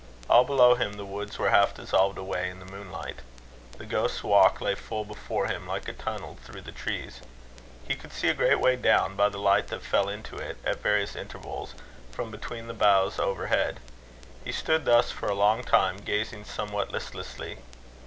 All below him the woods were half dissolved away in the moonlight. The Ghost's Walk lay full before him, like a tunnel through the trees. He could see a great way down, by the light that fell into it, at various intervals, from between the boughs overhead. He stood thus for a long time, gazing somewhat listlessly.